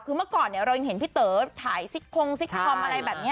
คือเมื่อก่อนเรายังเห็นพี่เต๋อถ่ายซิกคงซิกคอมอะไรแบบนี้